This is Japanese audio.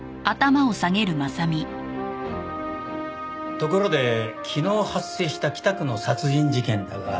ところで昨日発生した北区の殺人事件だが。